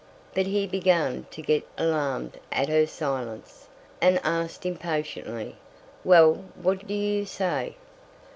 But he began to get alarmed at her silence, and asked impatiently: "Well, what do you say?"